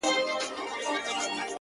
o د خپلي ژبي په بلا،